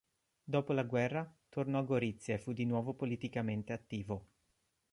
Dopo la guerra, tornò a Gorizia e fu di nuovo politicamente attivo.